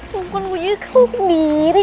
bukan gue jadi kesel sendiri gini sekarang